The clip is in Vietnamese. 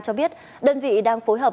cho biết đơn vị đang phối hợp